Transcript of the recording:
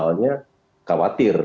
jadi perjanjian awalnya khawatir